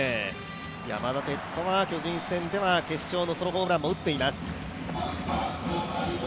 山田哲人は巨人戦では決勝のソロホームランも打っています。